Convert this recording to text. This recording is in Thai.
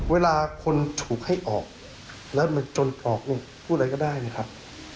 เวลาคนถูกให้ออกแล้วมันจนออกเนี่ยพูดอะไรก็ได้นะครับ